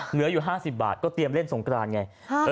เหลืออยู่๕๐บาทก็เตรียมเล่นสงกรานไง